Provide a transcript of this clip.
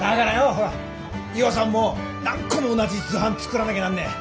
ほら岩さんも何個も同じ図版作らなきゃなんねえ！